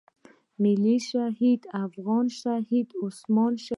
ملي شهيد افغان شهيد عثمان شهيد.